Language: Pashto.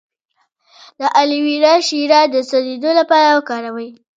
د الوویرا شیره د سوځیدو لپاره وکاروئ